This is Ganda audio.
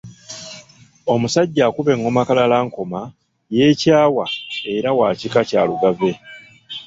Omusajja akuba engoma Kalalankoma ye Kyawa era wa kika kya Lugave